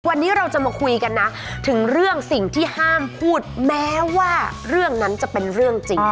วันนี้เราจะมาคุยกันนะถึงเรื่องสิ่งที่ห้ามพูดแม้ว่าเรื่องนั้นจะเป็นเรื่องจริง